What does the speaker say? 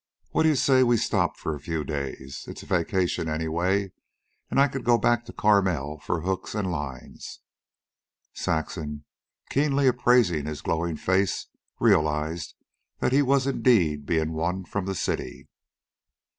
What d'ye say we stop a few days? It's vacation anyway an' I could go back to Carmel for hooks an' lines." Saxon, keenly appraising his glowing face, realized that he was indeed being won from the city.